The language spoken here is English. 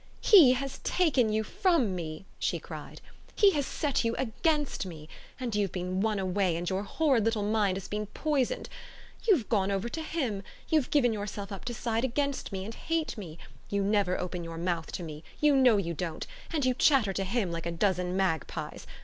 "He has taken you FROM me," she cried; "he has set you AGAINST me, and you've been won away and your horrid little mind has been poisoned! You've gone over to him, you've given yourself up to side against me and hate me. You never open your mouth to me you know you don't; and you chatter to him like a dozen magpies.